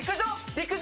陸上。